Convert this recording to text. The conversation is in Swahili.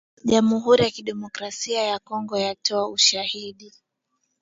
Jamhuri ya Kidemokrasia ya Kongo yatoa ‘ushahidi’